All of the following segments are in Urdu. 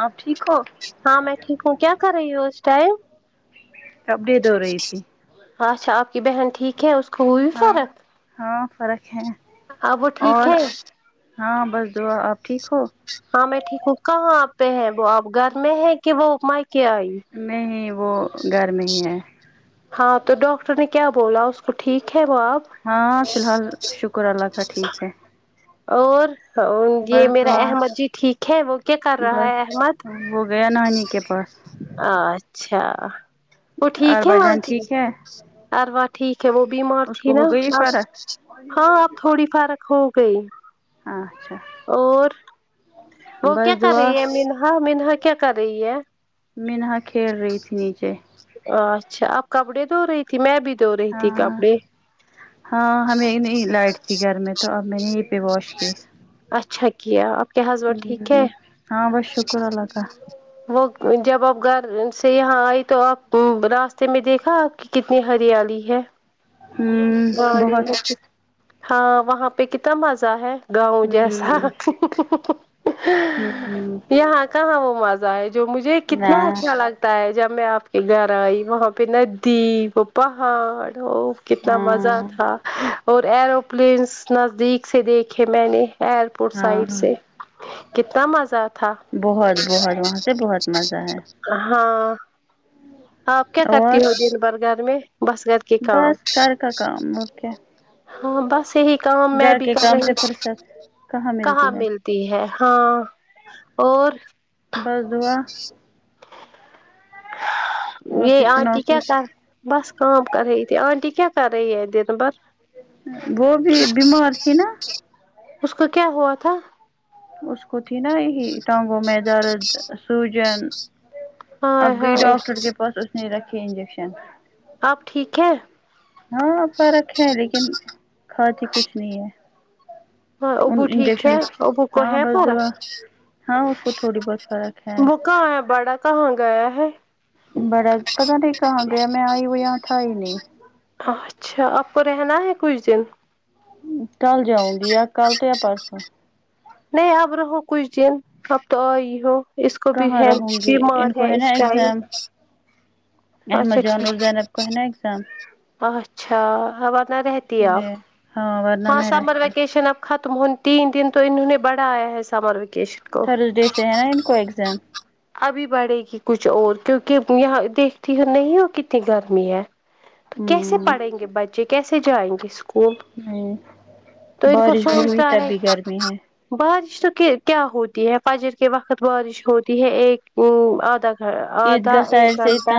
آپ ٹھیک ہو ہاں میں ٹھیک ہوں کیا کر رہی ہوں اس ٹائم اپ ڈیٹ ہو رہی ہے اچھا آپ کی بہن ٹھیک ہےاس ہاں ہاں ہاں فرق ہے اب وہ ٹھیک اور ہے ہاں بس دعا آپ ٹھیک ہو ہاں میں ٹھیک ہوں کہاں آپ پہ ہیں وہ آپ گھر میں ہے کہ وہ مائکے آئی ہوئی نہیں وہ گھر میں ہی ہے ہاں تو ڈاکٹر نے کیا بولا اس تو ٹھیک ہے وہ اب ہاں فی الحال شکر اللہ کا ٹھیک ہے اور یہ بس میرا دعا احمد جی ٹھیک ہے وہ کیا کر رہا بس ہے احمد وہ گیا نانی کے پاس آ اچھا وہ ٹھیک ہے اربا جان آنٹی ٹھیک ہے اور وہ ٹھیک ہے وہ بیمار اس تھی کو نا ہو گئی اب فرق ہاں اب تھوڑی فرق ہو گئی اچھا اور وہ کیا بس کر دعا رہی ہے مینہا مینہا کیا کر رہی ہے مینہا کھیل رہی تھی نیچے ا اچھا آپ کپڑے دھو رہی تھی میں بھی دھو رہی تھی ہاں کپڑے ہاں ہمیں نہیں لائٹ تھی گھر میں تو اب میں نے یہی پہ واش کی اچھا کیا آپ کے ہسبینڈ ٹھیک ہے ہوں ہاں بس شکر اللہ کا وہ جب آپ گھر سے یہاں آئی تو آپ راستے میں دیکھا آپ کتنی ہریالی ہے ہوں گاڑی بہت میں کت ہاں وہاں پہ کتنا مزہ ہے گاؤں جیسا ہوں ہوں یہاں کہاں وہ مزہ ہے جو مجھے کتنا میں اچھا لگ تا ہے جب میں آپ کے گھر آئی وہاں پہ ندی وہ پہاڑ ہو کت کیا مزہ ہاں تھا اور ایروپلینس نزدیک سے دیکھے میں نے ایر پوٹ ہاں سائڈ سے کتنا مزہ تھا بہت بہت وہاں سے بہت مزہ ہے ہاں آپ کیا کرتی اور ہو دن بھر گھر میں بس گھر کے کام بس گھر کا کام اور کیا ہاں بس یہی کام میں گھر بھی کے کر کام رہی سے فرصت ملتی کہاں ہے مل تی ہے ہاں اور بس دعا اور بھی یہ سناؤ آنٹی کیا کچھ کر بس کام کر رہی تھی آنٹی کیا کر رہی ہے دن بھر وہ بھی بیمار تھی نا اس کو کیا ہوا تھا اس کو تھی نا یہی ٹانگوں میں درد سوجن اب ہائے گئی ہائے ڈاکٹر کے پاس اس نے رکھی انجیکشن آپ ٹھیک ہے ہاں فرق ہے لیکن کھاتی کچھ نہیں ہے ہاں ان ابو ٹھیک ہے انجیکشن سے ابو کو ہاں ہے بس فرق دعا ہاں اس کو تھوڑی بہت فرق ہے وہ کہاں ہے بڑا کہاں گیا ہے بڑا پتا نہیں کہاں گیا میں آئی وہ یہاں تھا ہی نہیں اچھا آپ کو رہنا ہے کچھ دن کل جاؤنگی یا کل تو یا پرسوں نہیں آپ رہو کچھ دن اب تو آئی ہو اس کو بھی کہاں ہے رہوں گی ان بیمار کو ہے نا اس ٹائم ایگزام احمد اچھا جان اور ٹھیک زینب کو ہے نا ایگزام اچھا ہاں ورنہ رہتی ہے اسی آپ لیے ورنہ ہاں میں سمر رہتی ویکیشن اب ختم ہونے تین دن تو انہوں نے بڑھایا ہے سمر ویکیشن کو تھرزڈے سے ہے نا ان کو ایگزام ابھی بڑھے گی کچھ اور کیونکہ یہاں دیکھتی ہی نہیں ہو کتی گرمی ہے تو کیسے ہوں پڑھیں گے بچے کیسے جائیں گے اسکول کو نہیں تو ان کو بارش بھی ہوئی سوچتا تب ہے بھی گرمی ہے بارش تو کے کیا ہوتی ہے فجر کے وقت بارش ہوتی ہے ایک ہوں آدا گ آدھا ایک گھنٹہ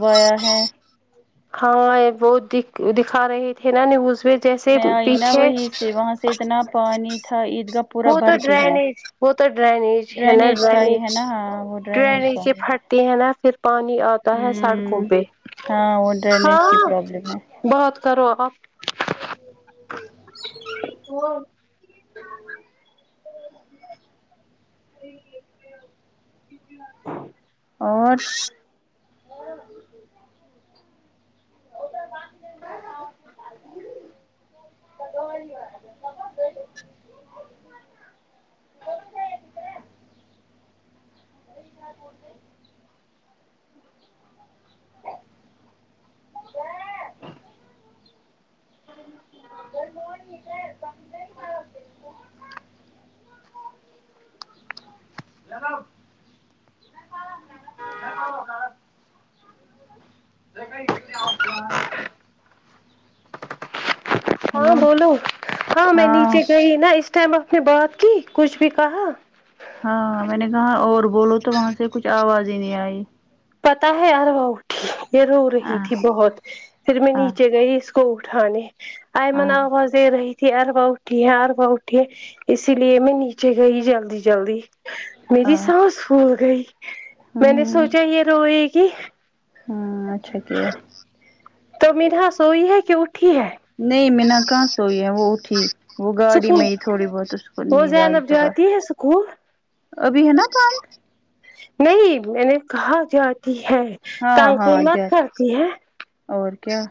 وایا ہے ہاں وہ د دکھا رہے تھے نا نیوز میں جیسے آئی نا پیچھے وہیں سے وہاں سے اتنا پانی تھا ات وہ تو ڈرینیج وہ تو ڈرینیج ہے نا کا ہی ڈرینیج ہے نا ہاں وہ ڈرینیج کا ہی پ ہے تی ہیں نا پھر پانی آتا ہے سڑکوں ہوں پہ ہاں وہ ڈرینیج کی ہاں پرابلم ہے بات کرو اب آپ اور [inaudible] [inaudible] [inaudible] [inaudible] [unintelligible] [unintelligible] [unintelligible] ہاں ہلو بولو ہاں میں نیچے گئی نا اس ٹائم آپ نے بات کی کچھ بھی کہا ہاں میں نے کہاں اور بولو تو وہاں سے کچھ آواز ہی نہیں آئی پتا ہے یا اروا اٹھی یہ رو رہی ہاں تھی بہت پھر میں ہاں نیچے گئی اس کو اٹھانے آئمن ہاں آواز دے رہی تھی اروا یہاں اروا اٹھی ہے اسی لیے میں نیچے گئی جلدی جلدی میری ساس پھول گئی میں نے ہاں سوچا یہ روئے گی ہاں اچھا کیا تو مدھا سوئی ہے کہ اٹھی ہے نہیں منہا کہاں سوئی ہے وہ اٹھی وہ گاڑی سکول میں ہی تھوڑی بہت اس کو وہ نیند آئی زینب تو بس جاتی ہے سکول ابھی ہے نا پانڈ نہیں میں نے کہاں جاتی ہے ہاں تان ہاں کو مت جاتے کرتی ہے اور کیا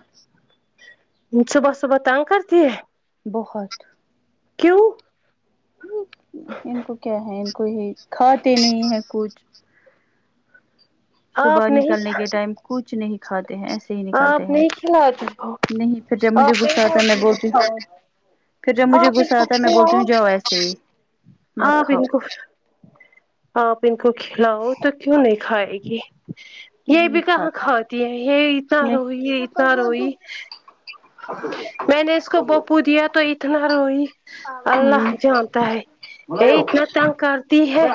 صبح صبح تنگ کرتی ہے بہت کیوں ان کو کیا ہے ان کو یہ کھاتے نہیں ہے کچھ صبح آپ نہیں نکلنے کے ٹائم کچھ نہیں کھاتے ہیں ایسے ہی نکالتے آپ ہیں نہیں کھلاتی ہو نہیں پھر جب مجھے آپ غصہ نہیں آتا ہے میں ہو بولتی ہوں کھاؤ پھر جب مجھے آپ ان غصہ کو آتا ہے میں بولتی ہوں جاؤ ایسے ہی ہاں مت کھاؤ بالکل آپ ان کو کھلاؤ تو کیوں نہیں کھائے گی یہ نہیں بھی کہاں کھاتے کھاتی ہے یہ اتنا نہیں روئی اتنا روئی میں نے اس کو بوپو دیا تو اتنا روئی اللہ جانتا ہے یہ ہوں اتنا تنگ کرتی ہے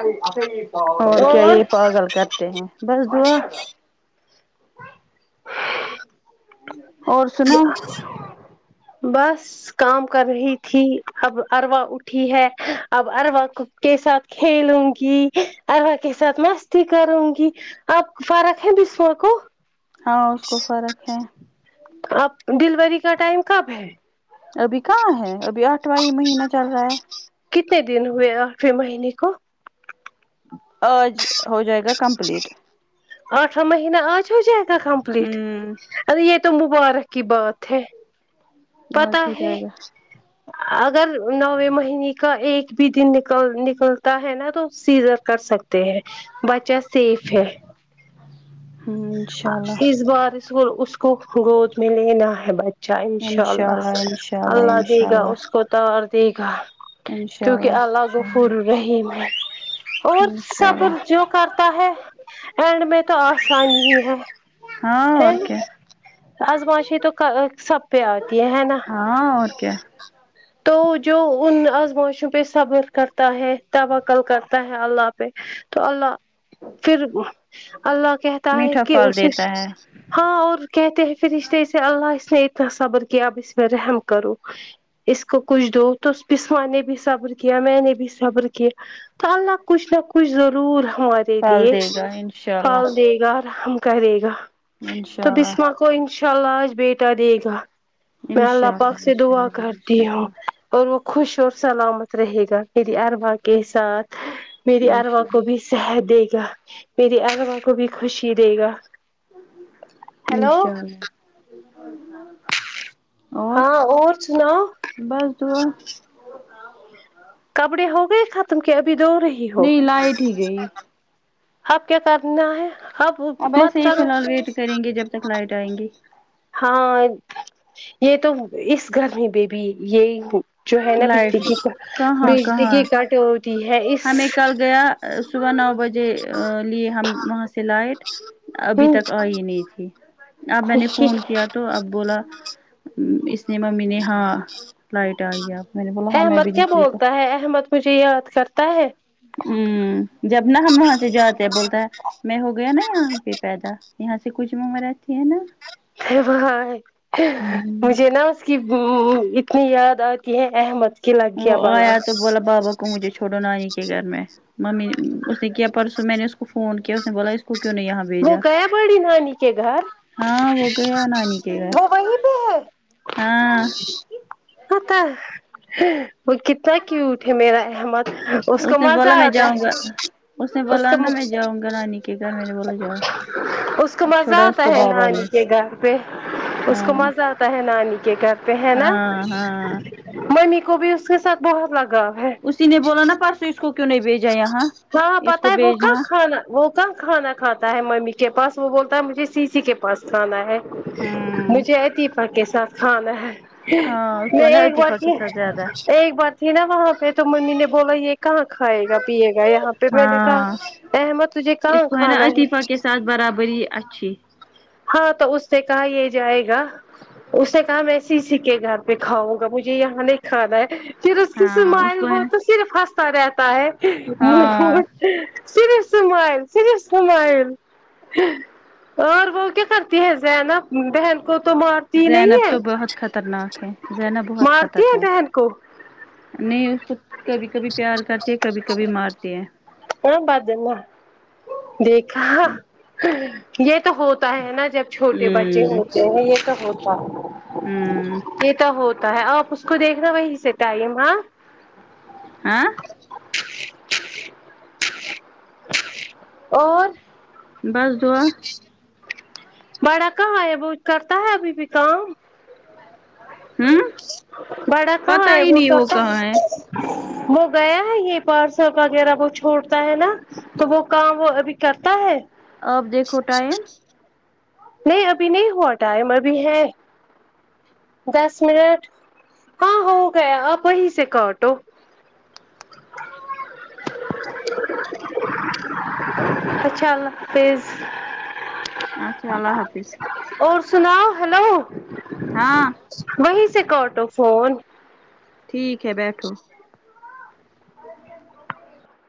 اور کیا یہ پاگل کرتے ہیں بس دعا اور سنو بس کام کر رہی تھی اب اروا اٹھی ہے اب اروا کو کے ساتھ کھیلوں گی اروا کے ساتھ مستی کروں گی آپ فارق ہیں بسوہ کو ہاں اس کو فرق ہے اب ڈیلیوری کا ٹائم کب ہے ابھی کہاں ہے ابھی آٹھوائی مہینہ چل رہا ہے کتنے دن ہوئے آٹھویں مہینے کو آج ہو جائے گا کمپلیٹ اٹھواں مہینہ آج ہو جائے گا کمپلیٹ ہوں ارے یہ تو مبارک کی بات ہے آج پتہ ہو ہے جائے گا اگر نوے مہینے کا ایک بھی دن نکل نکلتا ہے نا تو سیزر کر سک تے ہیں بچہ سیف ہے ہاں چ اس بار اس کو اس کو گود میں لینا ہے بچہ انشاء اللہ اللہ دے گا اس کو تو اور دے گا کیونکہ اللہ غفور و رحیم ہے اور انشاء صبر اللہ جو کر تا ہے اینڈ میں تو آسانی ہی ہے ہاں ہیں اور کیا آزماشیئیں تو ک سب پہ آتی ہے ہے نا ہاں اور کیا تو جو ان آزمائشوں پہ صبر کرتا ہے توکل کرتا ہے اللہ پہ تو اللہ پھر اللہ کہتا ہے میٹھا کہ پھل اسے دیتا سے ہے ہاں اور کہتے ہیں فرشتے اسے اللہ اس نے اتنا صبر کیا اب اس پہ رحم کرو اس کو کچھ دو تو اس بسما نے بھی صبر کیا میں نے بھی صبر کیا تو اللہ کچھ نہ کچھ ضرور ہمارے پھل لیے دے گا انشاء پھل اللہ دے گا آور ہم کرے گا تو انشاء بسما اللہ کو انشاء اللہ آج بیٹا دے گا میں اللہ انشاء پاک سے انشاء دعا اللہ کرتی انشاء ہوں اللہ اور وہ خوش اور سلامت رہے گا میری اروا کے ساتھ میری اروا انشاء کو بھی اللہ صحت دے گا میری اروا کو بھی خوشی دے گا ہیلو انشا للہ ہاں اور سناؤ بس دعا کپڑے ہو گئے ختم کے ابھی دھو رہی ہو نہیں لائٹ ہی گئی اب کیا کرنا ہے اب مت ایسے ہی فی کرو الحال ویٹ کریں گے جب تک لائٹ آئیں گی ہاں یہ تو اس گھر میں بھی یہی جو ہے نا بجلی لائٹ کی کہاں بجلی کی کہاں کٹوتی ہے اس ہمیں کل گیا ا صبح نو بجے لیے ہم وہاں سے لائٹ ابھی تک آئی نہیں تھی اب میں نے فون کیا تو اب بولا اس نے ممی نے ہاں لائٹ آئی ہے میں نے بولا ہاں میں احمد بھی کیا نکلی تو بولتا ہے احمد مجھے یاد کرتا ہے وں جب نا ہم وہاں سے جاتے ہیں بولتا ہے میں ہو گیا نا یہاں پہ پیدا یہاں سے کچھ معمو رکھی ہے نا یہ وہاں ہے مجھے نا کے وہ اتنی یاد آتی ہے احمد کی لگ وہ گیا بالا آیا تو بولا بابا کو مجھے چھوڑو نانی کے گھر میں ممی اس نے کیا پرسوں میں نے اس کو فون کیا اس نے بولا کو کیوں نہیں یہاں وہ بھیجا گیا بڑی نانی کے گھر ہاں وہ گیا نانی کے گھر وہ وہیں پہ ہے ہاں تو کل وہ کتنا کیوٹ ہے میرا احمد اس کو نے مزہ بولا میں آتا ہے جاؤں گا اس نے بولا نا میں جاؤں گا نانی کے گھر میں نے بولو جاؤ اس کو اب مزہ چھوڑا اس آتا کو ہے بابا نانی نے کے گھر پہ اس ہاں کو مزہ آتا ہے نانی کے کرتے ہیں نا ہاں ہاں ممی کو بھی اس کے ساتھ بہت لگ گا ہے اسی نے بولا نا پرسوں اس کو کیوں نہیں بھیجا یہاں ہاں اس پتا کو ہے وہ کیا بھیجنا کھانا وہ کہا کھانا کھا ہے ممی کے پاس وہ بولتا ہے مجھے سیسی کے پاس کھانا ہے ہوں مجھے ایتی پقسا ہاں میں ہاں اس میں کو نا ایک بار عطیفہ کی کے ساتھ زیادہ ایک بار تھی نا وہاں پہ تو ممی نے بولا یہ کہاں کھائے گا پیے گا یہاں پہ میں نے کہا ہاں احمد تجھے کہاں کھانا ہے شفا کے ساتھ برابری اچھی ہاں تو اس سے کہا یہ جائے گا اس نے کہا میں اسے سی کے گھر پہ کھاؤں گا مجھے یہاں نہیں کھانا ہے فر اسی کی ہاں اس اسمائل کو ہے نا بہت صرف ہنستا رہتا ہے مہ ہاں صرف اسمل س سومائل اور بول کرتی ہے زینب بہن کو تو مار تی نہیں زینب ہے تو بہت خطرناک ہے زینب بہت مارتی ہیں خطرناک بہن کو نہیں اس کو کبھی کبھی پیار کرتی ہے کبھی کبھی مارتی ہے وہ بعد دلہنے دیکھا یہ تو ہوتا ہے نا جب چھوٹے بچھے ہ ہوتے دوا لے یہ تو ہوتا ہے ہمم یہ تو ہوتا ہے آپ اس کو دیکھنا وہی سے تئیماں ہاں اور بس دعا بڑا کہاں ہے وہ کرتا ہے ابھی بھی کام ہوں بڑا کہا پتا ہیں ہی وہ نہیں کہاں ہے وہ گیا ہے یہ پارسل وغیرہ وہ چھوڑتا ہے نا تو وہ کام وہ ابھی کرتا ہے اب دیکھو ٹائم نہیں ابھی نہیں ہوا ٹائم ابھی ہے دس منٹ ہاں ہو گیا آپ وہیں سے کاٹو [unintelligible] اچھا اللہ حافظ اچھا اللہ حافظ اور سناؤ ہلو ہاں وہیں سے کاٹو فون ٹھیک ہے بیٹھو